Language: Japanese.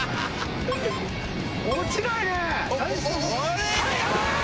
落ちないね。